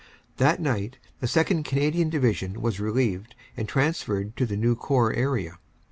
That night the 2nd. Canadian Division was relieved and transferred to the new Corps area.